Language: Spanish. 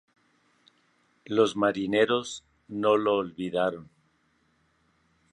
Los marineros no lo olvidaron.